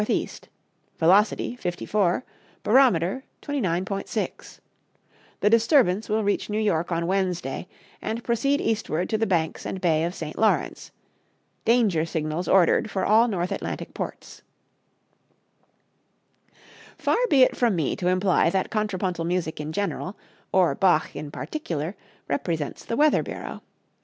E.; velocity, 54. Barometer, 29.6. The disturbance will reach New York on Wednesday, and proceed eastward to the Banks and Bay of St. Lawrence. Danger signals ordered for all North Atlantic ports." Far be it from me to imply that contrapuntal music in general or Bach in particular represents the Weather Bureau.